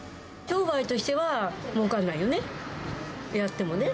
商売としてはもうかんないよね、やってもね。